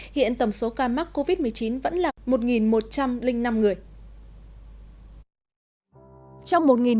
hiện tổng số ca mắc covid một mươi chín vẫn là một một trăm linh năm người